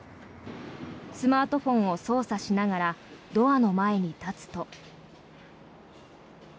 スマートフォンを操作しながらドアの前に立つと。